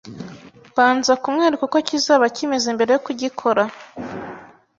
mbanza kumwereka uko kizaba kimeze mbere yo kugikora!